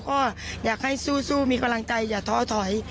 ก็อยากให้สู้มีกำลังใจอย่าท้อถอย